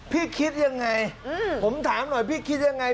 คิดยังไงผมถามหน่อยพี่คิดยังไง